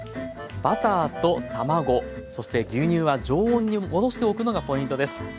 バターと卵そして牛乳は常温に戻しておくのがポイントです。